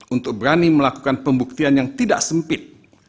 untuk berani melakukan pembuktian yang tidak sempit